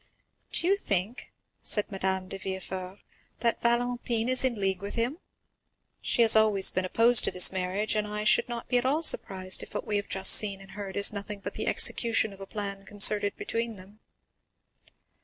"Do you think," said Madame de Villefort, "that Valentine is in league with him? She has always been opposed to this marriage, and I should not be at all surprised if what we have just seen and heard is nothing but the execution of a plan concerted between them."